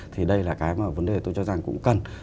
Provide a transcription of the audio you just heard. thì đây là cái mà vấn đề tôi cho rằng cũng cần